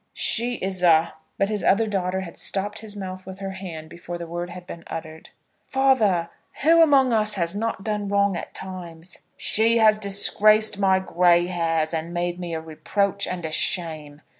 "She is a " But his other daughter had stopped his mouth with her hand before the word had been uttered. "Father, who among us has not done wrong at times?" "She has disgraced my gray hairs, and made me a reproach and a shame.